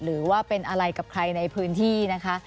หรือว่าเป็นอะไรกับใครในพื้นที่นะคะ